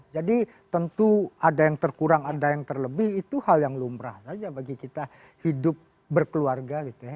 jadi tentu ada yang terkurang ada yang terlebih itu hal yang lumrah saja bagi kita hidup berkeluarga gitu ya